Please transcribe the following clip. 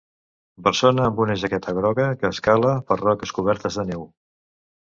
Persona amb una jaqueta groga que escala per roques cobertes de neu.